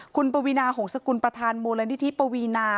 คุณปวีนาหงษกุลประธานมูลนิธิปวีนา